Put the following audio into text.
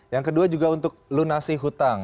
yang kedua juga untuk lunasi hutang